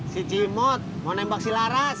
si jimot mau nembak si laras